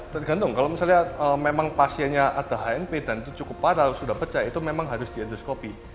tergantung kalau misalnya memang pasiennya ada hnp dan itu cukup parah sudah pecah itu memang harus di endoskopi